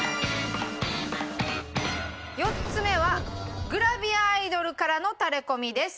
４つ目はグラビアアイドルからのタレコミです。